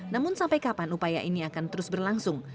namun sampai kapan upaya ini akan terus berlangsung